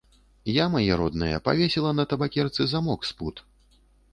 Я, мае родныя, павесіла на табакерцы замок з пуд.